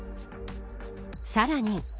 さらに。